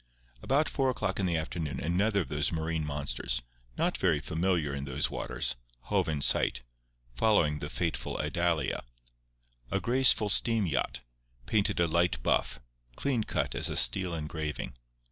About four o'clock in the afternoon another of those marine monsters, not very familiar in those waters, hove in sight, following the fateful Idalia—a graceful steam yacht, painted a light buff, clean cut as a steel engraving.